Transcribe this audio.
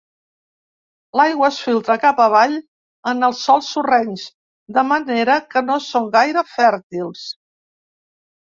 L'aigua es filtra cap avall en els sòls sorrencs, de manera que no són gaire fèrtils.